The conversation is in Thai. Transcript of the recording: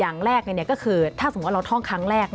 อย่างแรกเนี่ยก็คือถ้าสมมติว่าเราท่องครั้งแรกนะฮะ